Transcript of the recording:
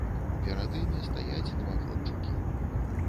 Перад імі стаяць два хлапчукі.